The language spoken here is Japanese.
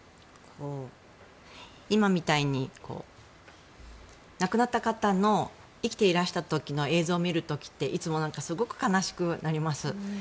今みたいに亡くなった方の生きていらした時の映像を見る時っていつもすごく悲しくなります。